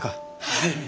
はい。